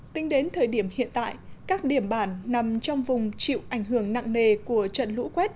tính đến thời điểm hiện tại các điểm bản nằm trong vùng chịu ảnh hưởng nặng nề của trận lũ quét